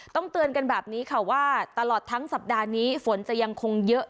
เตือนกันแบบนี้ค่ะว่าตลอดทั้งสัปดาห์นี้ฝนจะยังคงเยอะ